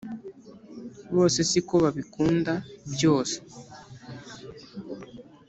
bose si ko babikunda byose.